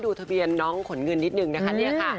ดูทะเบียนน้องขนเงินนิดนึงนะคะเนี่ยค่ะ